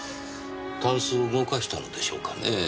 タンスを動かしたのでしょうかねぇ。